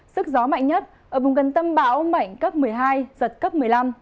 sức gió mạnh nhất ở vùng gần tâm bão mạnh cấp một mươi hai giật cấp một mươi năm